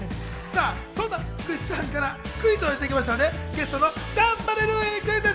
そんな福士さんからクイズがありましたので、ゲストのガンバレルーヤにクイズッス！